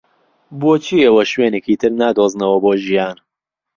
بۆچی ئێوە شوێنێکی تر نادۆزنەوە بۆ ژیان؟